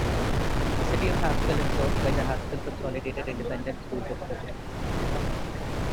The City of Haskell is served by the Haskell Consolidated Independent School District.